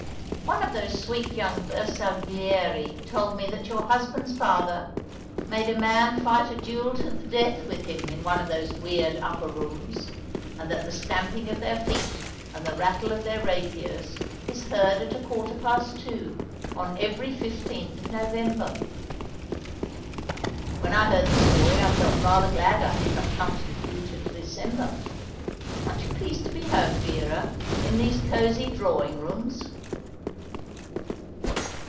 One of those sweet young Bersaglieri told me that your husband's father made a man fight a duel to the death with him in one of those weird upper rooms; and that the stamping of their feet and the rattle of their rapiers is heard at a quarter past two on every fifteenth of November. When I heard the story I felt rather glad I did not come to you till December. Aren't you pleased to be home, Vera, in these cosy drawing rooms?"